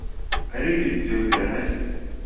ariko byo birahari